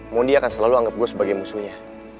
mondi akan selalu anggap gue sebagai musuhnya